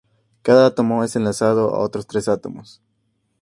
Cada átomo es enlazado a otros tres átomos.